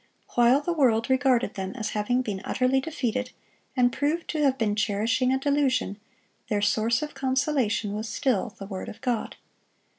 While the world regarded them as having been utterly defeated, and proved to have been cherishing a delusion, their source of consolation was still the word of God.